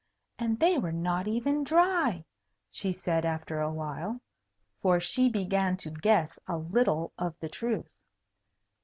"And they were not even dry," she said after a while. For she began to guess a little of the truth.